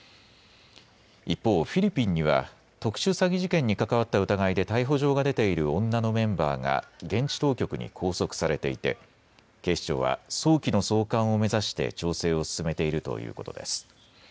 一方、フィリピンには特殊詐欺事件に関わった疑いで逮捕状が出ている女のメンバーが現地当局に拘束されていて警視庁は早期の送還を目指して調整を進めているということです。